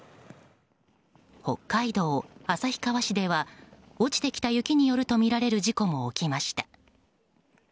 北海道旭川市では落ちてきた雪によるとみられる事故も起きました。